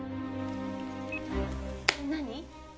何？